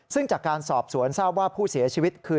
ซึ่งจากการสอบสวนทราบว่าผู้เสียชีวิตคือ